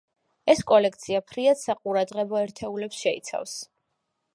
ეს კოლექცია ფრიად საყურადღებო ერთეულებს შეიცავს.